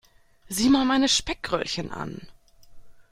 Sieh mal meine Speckröllchen an.